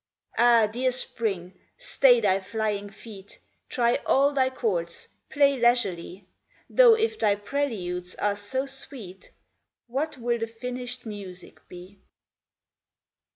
Ah, dear Spring, stay thy flying feet ; Try all thy chords ; play leisurely ; Though if thy preludes are so sweet What will the finished music be